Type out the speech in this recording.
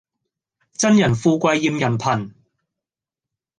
憎人富貴厭人窮